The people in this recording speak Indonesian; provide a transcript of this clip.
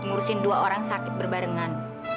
ngurusin dua orang sakit berbarengan